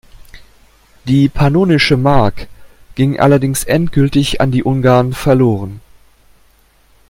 Die Pannonische Mark ging allerdings endgültig an die Ungarn verloren.